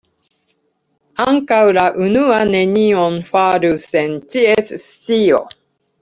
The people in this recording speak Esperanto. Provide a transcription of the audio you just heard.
Ankaŭ la unua nenion faru sen ĉies scio.